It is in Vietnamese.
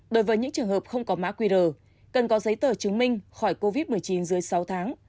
đối với những trường hợp không có mã qr cần có giấy tờ chứng minh khỏi covid một mươi chín dưới sáu tháng